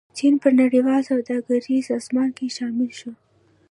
چین په نړیواله سوداګریزې سازمان کې شامل شو.